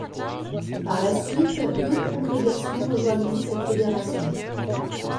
Par la suite d'autres congrégations rejoindront cette fédération.